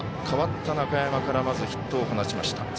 代わった中山からまずヒットを放ちました。